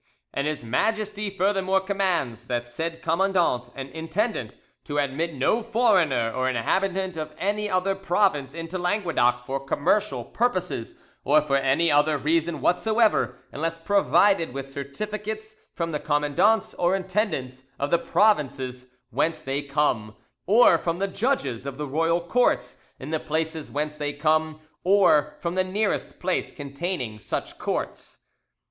And His Majesty furthermore commands the said commandant and intendant to admit no foreigner or inhabitant of any other province into Languedoc for commercial purposes or for any other reason whatsoever, unless provided with certificates from the commandants or intendants of the provinces whence they come, or from the judges of the royal courts in the places whence they come, or from the nearest place containing such courts.